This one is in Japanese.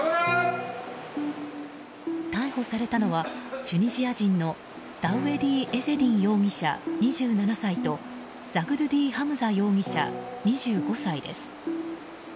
逮捕されたのはチュニジア人のダウエディ・エゼディン容疑者２７歳とザグドゥディ・ハムザ容疑者２５歳です。